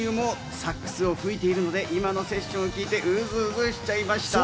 僕の親友もサックスを吹いているので、今のセッションを聞いてウズウズしちゃいました。